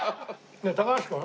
ねえ高橋君。